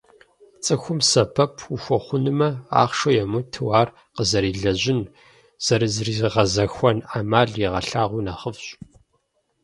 Цӏыхум сэбэп ухуэхъунумэ, ахъшэ йумыту, ар къызэрилэжьын, зэрызригъэзэхуэн ӏэмал егъэлъагъуи нэхъыфӏщ.